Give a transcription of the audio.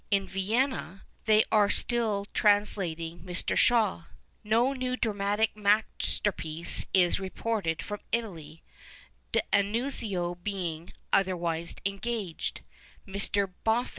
In Vienna they are still trans lating Mr. Shaw. No new dramatic masterpiece is reported from Italy, D'Annunzio being " otherwise engaged," Mr. BofTui.